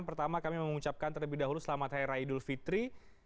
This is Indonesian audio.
pertama kami mengucapkan terlebih dahulu selamat hari raya idul fitri